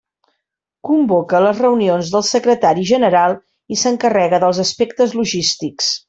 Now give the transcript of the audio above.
Convoca les reunions del secretari general i s'encarrega dels aspectes logístics.